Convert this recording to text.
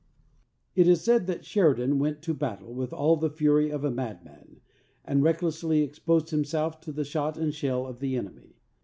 It is said that Sheridan went to battle with all the fury of a madman, and reck lessly exposed himself to the shot and shell of the enemy.